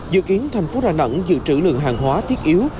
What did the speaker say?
dự kiến thành phố đà nẵng dự trữ lượng hàng hóa thiết yếu